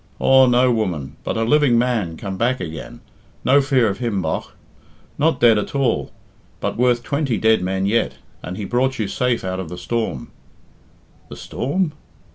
"Aw, no, woman, but a living man come back again. No fear of him, bogh! Not dead at all, but worth twenty dead men yet, and he brought you safe out of the storm." "The storm?"